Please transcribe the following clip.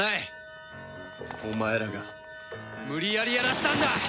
お前らが無理やりやらせたんだ！